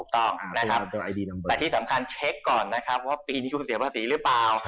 แต่ที่สำคัญเช็คก่อนว่าปีนี้คุณเสียภาษีหรือเปล่า